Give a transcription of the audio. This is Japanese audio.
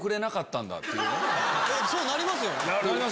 そうなりますよね